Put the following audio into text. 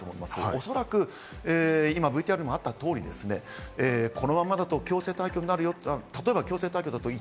おそらく今、ＶＴＲにもあった通り、このままだと強制退去になるよ。